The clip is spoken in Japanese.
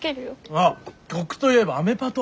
あっ曲と言えば「アメパト」！